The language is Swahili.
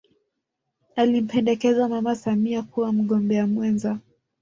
alimpendekeza mama samia kuwa mgombea mwenza